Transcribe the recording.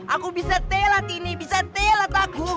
aku bisa telat ini bisa telat aku